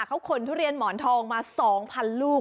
เขาขนทุเรียนหมอนทองมา๒๐๐๐ลูก